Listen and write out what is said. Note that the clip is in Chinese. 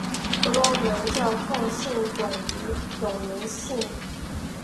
婆罗门教奉行种姓制度。